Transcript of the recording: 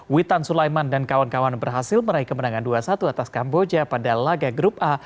witan sulaiman dan kawan kawan berhasil meraih kemenangan dua satu atas kamboja pada laga grup a